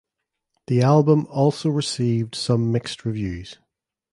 The album also received some mixed reviews.